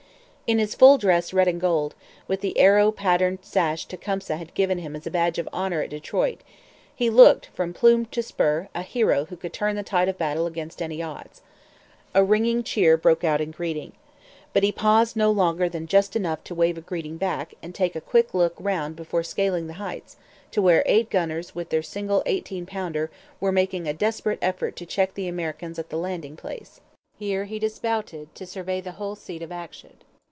In his full dress red and gold, with the arrow patterned sash Tecumseh had given him as a badge of honour at Detroit, he looked, from plume to spur, a hero who could turn the tide of battle against any odds. A ringing cheer broke out in greeting. But he paused no longer than just enough to wave a greeting back and take a quick look round before scaling the Heights to where eight gunners with their single eighteen pounder were making a desperate effort to check the Americans at the landing place. Here he dismounted to survey the whole scene of action.